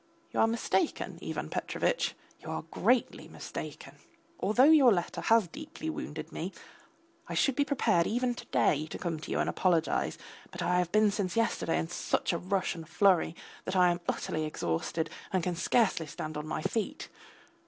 You are mistaken, Ivan Petrovitch, you are greatly mistaken! Although your letter has deeply wounded me, I should be prepared even to day to come to you and apologise, but I have been since yesterday in such a rush and flurry that I am utterly exhausted and can scarcely stand on my feet.